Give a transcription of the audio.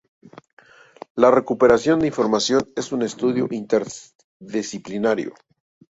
La recuperación de información es un estudio interdisciplinario.